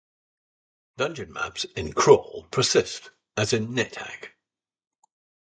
Dungeon maps in "Crawl" persist, as in "NetHack".